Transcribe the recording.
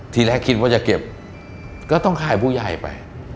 ทีแรกคิดว่าจะเก็บก็ต้องขายผู้ใหญ่ไป